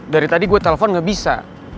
dari tadi gue telepon gak bisa